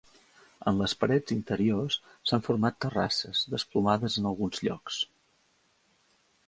En les parets interiors s'han format terrasses, desplomades en alguns llocs.